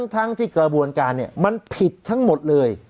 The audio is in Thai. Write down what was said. ทั้งที่กระบวนการมันผิดทั้งหมดเลย